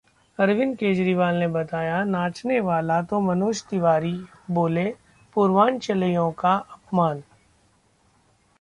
अरविंद केजरीवाल ने बताया नाचने वाला तो मनोज तिवारी बोले- पूर्वांचलियों का अपमान